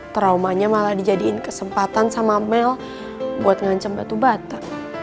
traumanya malah dijadikan kesempatan sama mel buat ngancem batu bata